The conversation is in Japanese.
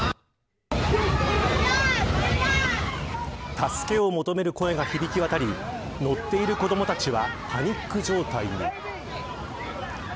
助けを求める声が響きわたり乗っている子どもたちはパニック状態に。